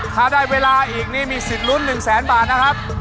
ถ้าได้เวลาอีกนี่มีสิทธิ์ลุ้น๑แสนบาทนะครับ